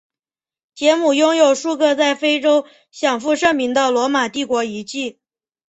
杰姆拥有数个在非洲享负盛名的罗马帝国遗迹。